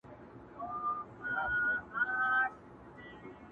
وږی تږی د سل کالو په سل کاله نه مړېږم،